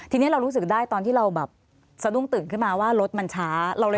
ทีนี้เรารู้สึกได้ตอนที่เราแบบสะดุ้งตื่นขึ้นมาว่ารถมันช้า